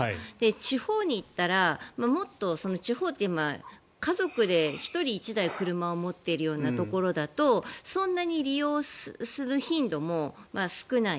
地方に行ったらもっと、地方って今家族で１人１台車を持っているようなところだとそんなに利用する頻度も少ない。